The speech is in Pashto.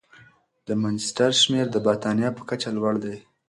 د مانچسټر شمېر د بریتانیا په کچه لوړ دی.